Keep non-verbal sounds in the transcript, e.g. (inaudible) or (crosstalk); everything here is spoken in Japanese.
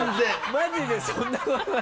マジでそんなことない (laughs)